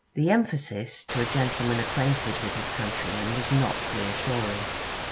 The emphasis, to a gentleman acquainted with his countrymen, was not reassuring.